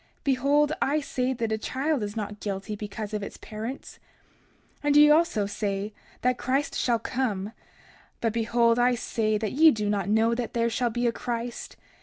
Behold, I say that a child is not guilty because of its parents. 30:26 And ye also say that Christ shall come. But behold, I say that ye do not know that there shall be a Christ.